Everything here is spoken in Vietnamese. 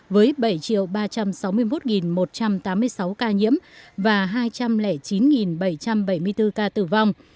với bảy ba trăm sáu mươi một một trăm tám mươi sáu ca nhiễm và hai trăm linh chín bảy trăm bảy mươi bốn ca tử vong